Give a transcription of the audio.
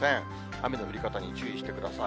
雨の降り方に注意してください。